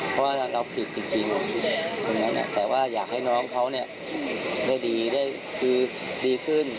เพราะว่าเราผิดจริงแต่ว่าอยากให้น้องเขาได้ดีคือดีขึ้น